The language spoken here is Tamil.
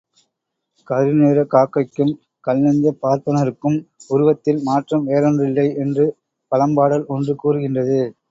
கருநிறக் காக்கைக்கும் கல்நெஞ்சப் பார்ப்பனர்க்கும் உருவத்தில் மாற்றம் வேறொன்றில்லை என்று பழம்பாடல் ஒன்று கூறுகின்றது.